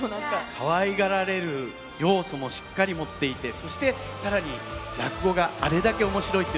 かわいがられる要素もしっかり持っていてそして更に落語があれだけ面白いっていうのはね